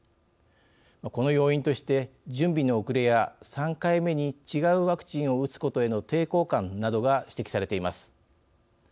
この要因として準備の遅れや３回目に違うワクチンを打つことへの抵抗感などが指摘されています。